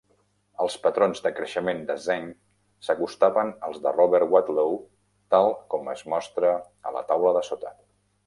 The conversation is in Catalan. Els patrons de creixement de Zeng s'acostaven als de Robert Wadlow, tal com es mostra a la taula de sota.